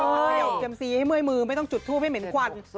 เขย่าเซียมซีให้เมื่อยมือไม่ต้องจุดทูปให้เหม็นควัน